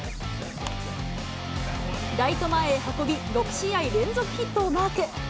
ライト前へ運び、６試合連続ヒットをマーク。